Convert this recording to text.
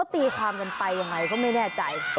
ตีความกันไปยังไงก็ไม่แน่ใจ